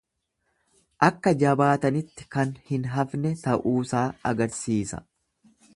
Akka jabaatanitti kan hin hafne ta'uusaa agarsiisa.